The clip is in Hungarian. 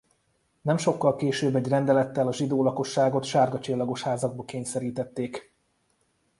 Nem sokkal később egy rendelettel a zsidó lakosságot sárga csillagos házakba kényszerítették.